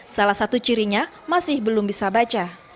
salah satu cirinya masih belum bisa baca